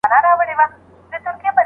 ازمایښتي څېړنه د نویو تجربو لاره پرانیزي.